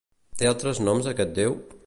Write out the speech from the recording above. Té altres noms aquest déu?